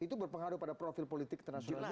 itu berpengaruh pada profil politik internasional